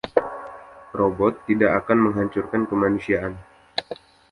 Robot tidak akan menghancurkan kemanusiaan.